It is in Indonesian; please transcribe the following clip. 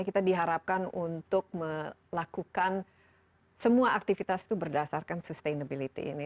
kita diharapkan untuk melakukan semua aktivitas itu berdasarkan sustainability ini